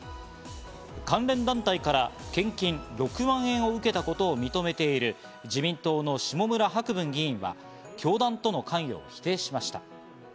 関連団体から献金６万円を受けたことを認めている自民党の下村博文議員は教団との関与を否定しました。